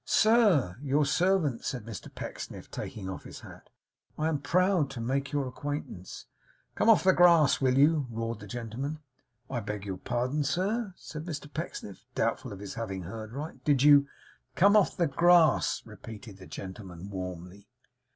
'Sir, your servant!' said Mr Pecksniff, taking off his hat. 'I am proud to make your acquaintance.' 'Come off the grass, will you!' roared the gentleman. 'I beg your pardon, sir,' said Mr Pecksniff, doubtful of his having heard aright. 'Did you ?' 'Come off the grass!' repeated the gentleman, warmly.